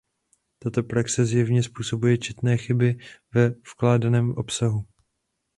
Tato praxe zjevně způsobuje četné chyby ve vkládaném obsahu.